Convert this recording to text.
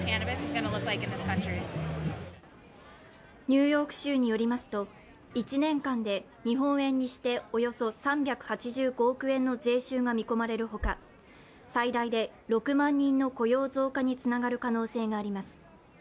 ニューヨーク州によりますと、１年間で日本円にしておよそ３８５億円の税収が見込まれるほか、最大で６万人の雇用増加につながる可能性があります。